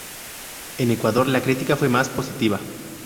En Ecuador la crítica fue más positiva.